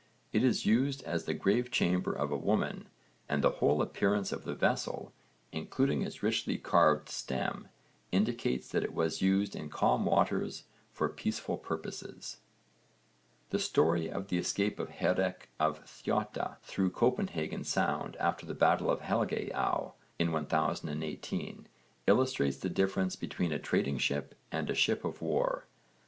It is used as the grave chamber of a woman, and the whole appearance of the vessel, including its richly carved stem, indicates that it was used in calm waters for peaceful purposes. The story of the escape of Hárek of Thjotta through Copenhagen Sound after the battle of Helgeäa in 1018 illustrates the difference between a trading ship and a ship of war.